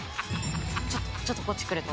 ちょっとちょっとこっち来ると。